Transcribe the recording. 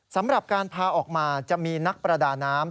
สำหรับการพาออกมาจะมีนักประดาน้ำ